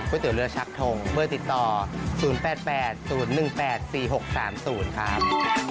เตี๋ยเรือชักทงเบอร์ติดต่อ๐๘๘๐๑๘๔๖๓๐ครับ